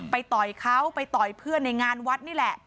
ต่อยเขาไปต่อยเพื่อนในงานวัดนี่แหละ